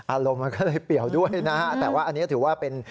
อารมณ์มันก็เลยเปรียวด้วยนะฮะแต่ว่าอันนี้ถือว่าเป็น